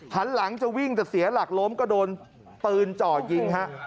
หันหลังจะวิ่งแต่เสียหลักล้มก็โดนปืนจ่อยิงฮะ